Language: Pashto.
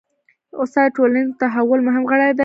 استاد د ټولنیز تحول مهم غړی دی.